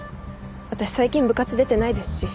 私最近部活出てないですし。